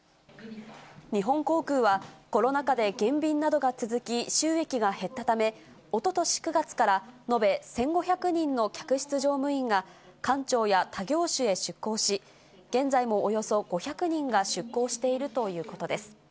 日本航空はコロナ禍で減便などが続き、収益が減ったため、おととし９月から延べ１５００人の客室乗務員が、官庁や他業種へ出向し、現在もおよそ５００人が出向しているということです。